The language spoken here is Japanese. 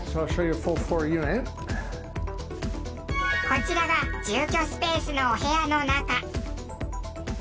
こちらが住居スペースのお部屋の中。